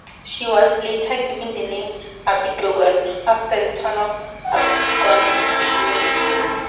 She was later given the name "Abingdon" after the town of Abingdon, Virginia.